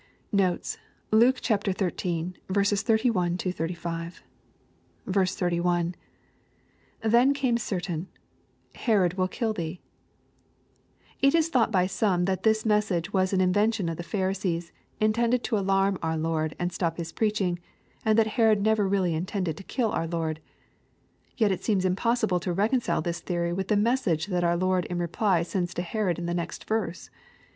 Notes. Luke XIII. 31 — ^35. 31. — [Then caine certain,..Herod wiU hiU thee.] It is thought by some that this message was an invention of the Pharisees, intended to alarm our Lord, and stop His preaching, and that Herod never really intended to kill our Lord. Yet it seems impossible to recon cile this theory with the message that our Lord in reply sends to Herod in the next verse.